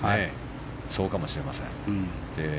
そうかもしれません。